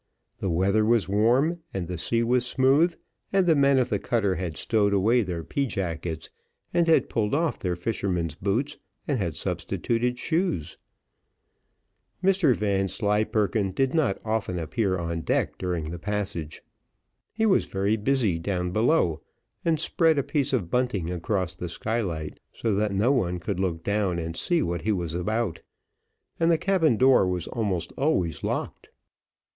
The weather was warm, and the sea was smooth, and the men of the cutter had stowed away their pea jackets, and had pulled off their fishermen's boots, and had substituted shoes. Mr Vanslyperken did not often appear on deck during the passage. He was very busy down below, and spread a piece of bunting across the skylight, so that no one could look down and see what he was about, and the cabin door was almost always locked.